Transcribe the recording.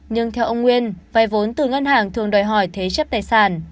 nhưng theo ông nguyên vai vốn từ ngân hàng thường đòi hỏi thế chấp tài sản